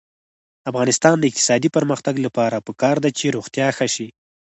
د افغانستان د اقتصادي پرمختګ لپاره پکار ده چې روغتیا ښه شي.